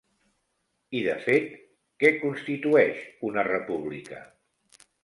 I, de fet, què constitueix una república?